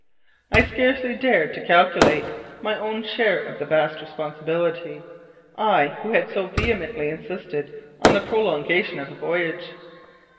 I scarcely dared to calculate my own share of the vast responsibility, I who had so vehemently insisted on the prolongation of the voyage.